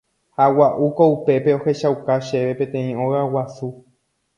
Ha gua'úko upépe ohechauka chéve peteĩ óga guasu.